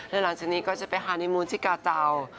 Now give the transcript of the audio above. และหลังจากนี้ก็จะไปฮานีมูลที่กาเจ้า